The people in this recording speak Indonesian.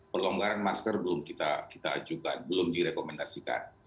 pelonggaran masker belum kita ajukan belum direkomendasikan